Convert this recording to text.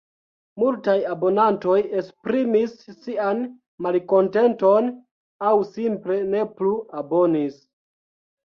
Multaj abonantoj esprimis sian malkontenton – aŭ simple ne plu abonis.